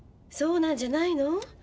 そうなんじゃないの？